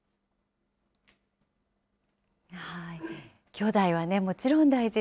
きょうだいはね、もちろん大事。